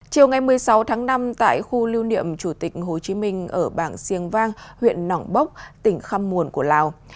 chiều ngày một mươi sáu tháng năm tại khu lưu niệm chủ tịch hồ chí minh ở bảng siêng vang huyện nỏng bốc tỉnh khăm muồn của lào